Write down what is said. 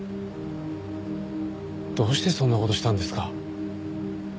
どうしてそんな事したんですか？